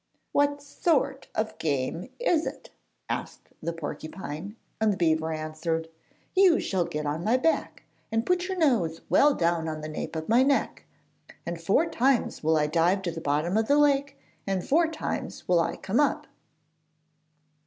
'What sort of game is it?' asked the porcupine, and the beaver answered: 'You shall get on my back, and put your nose well down on the nape of my neck, and four times will I dive to the bottom of the lake, and four times will I come up!'